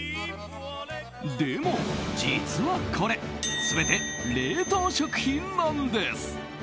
でも、実はこれ全て冷凍食品なんです。